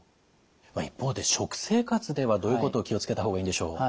一方で食生活ではどういうことを気を付けた方がいいんでしょうか？